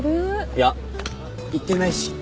いや言ってないし。